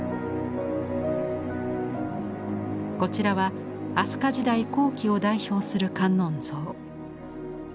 こちらは飛鳥時代後期を代表する観音像。